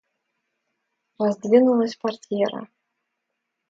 Раздвинулась портьера.